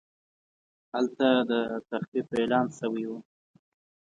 هلته د تخفیف اعلان شوی و.